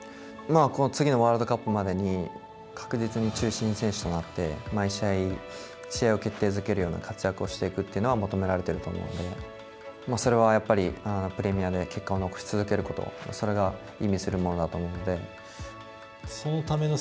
この次のワールドカップまでに確実に中心選手となって毎試合、試合を決定づけるような活躍をしていくというのは求められていると思うのでそれはやっぱりプレミアで結果を残し続けることそれが意味するものだと思うので。